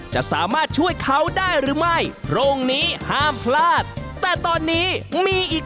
ใช้ป้ายแต่ว่าป้ายต้องดูนะนี่